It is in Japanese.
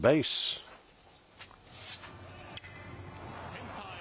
センターへ。